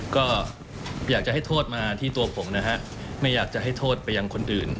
ก็อยากจะให้โทษมาที่ตัวผมนะฮะไม่อยากจะให้โทษไปยังคนอื่น